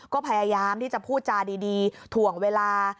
ก็พยายามที่จะพูดจาดีถ่วงเวลา